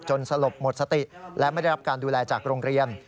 สลบหมดสติและไม่ได้รับการดูแลจากโรงเรียน